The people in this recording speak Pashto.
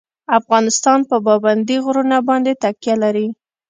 افغانستان په پابندی غرونه باندې تکیه لري.